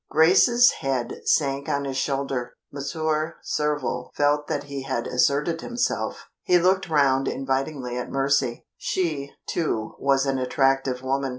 Grace's head sank on his shoulder. Monsieur Surville felt that he had asserted himself; he looked round invitingly at Mercy. She, too, was an attractive woman.